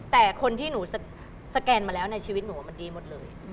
แต่คนที่หนูสแกนมาแล้วในชีวิตหนูมันดีหมดเลย